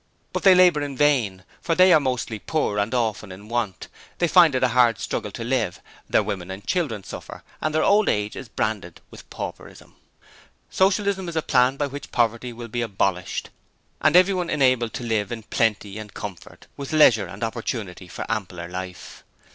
BUT THEY LABOUR IN VAIN for they are mostly poor and often in want. They find it a hard struggle to live. Their women and children suffer, and their old age is branded with pauperism. Socialism is a plan by which poverty will be abolished, and everyone enabled to live in plenty and comfort, with leisure and opportunity for ampler life.